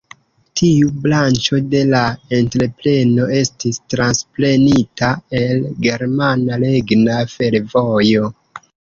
Tiu branĉo de la entrepreno estis transprenita el "Germana Regna Fervojo".